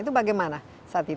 itu bagaimana saat itu